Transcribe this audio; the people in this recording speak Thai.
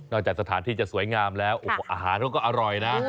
จากสถานที่จะสวยงามแล้วอาหารเขาก็อร่อยนะ